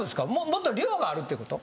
もっと量があるってこと？